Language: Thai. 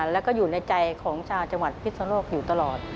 แล้วก็อยู่ในใจของชาวจังหวัดพิศนโลกอยู่ตลอด